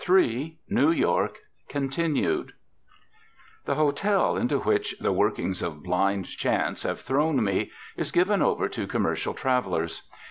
III NEW YORK (continued) The hotel into which the workings of blind chance have thrown me is given over to commercial travellers.